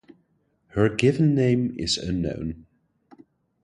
Her given name is unknown.